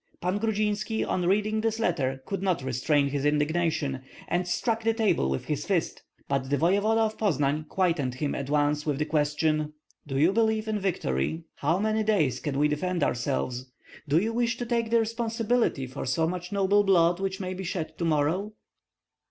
Pan Grudzinski on reading this letter could not restrain his indignation, and struck the table with his fist; but the voevoda of Poznan quieted him at once with the question, "Do you believe in victory? How many days can we defend ourselves? Do you wish to take the responsibility for so much noble blood which may be shed to morrow?"